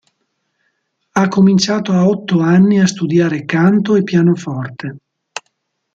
Ha cominciato a otto anni a studiare canto e pianoforte.